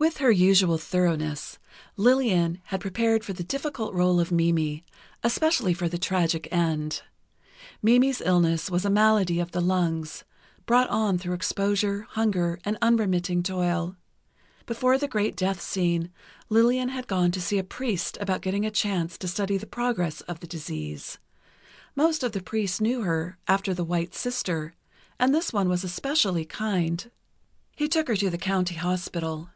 With her usual thoroughness, Lillian had prepared for the difficult rôle of Mimi, especially for the tragic end. Mimi's illness was a malady of the lungs, brought on through exposure, hunger and unremitting toil. Before the great death scene, Lillian had gone to see a priest about getting a chance to study the progress of the disease. Most of the priests knew her, after "The White Sister," and this one was especially kind. He took her to the County Hospital.